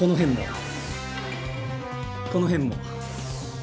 この辺も。